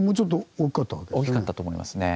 大きかったと思いますね。